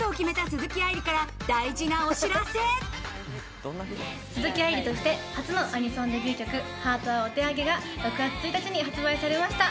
鈴木愛理として初のアニソンデビュー曲『ハートはお手上げ』が６月１日に発売されました。